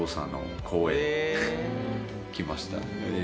きました。